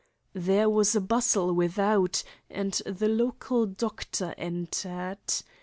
There was a bustle without, and the local doctor entered.